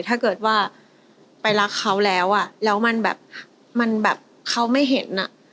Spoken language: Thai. ถ้าเกิดว่าไปรักเขาแล้วอ่ะแล้วมันแบบมันแบบเขาไม่เห็นอ่ะ